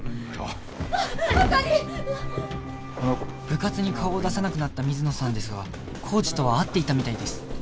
部活に顔を出さなくなった水野さんですがコーチとは会っていたみたいです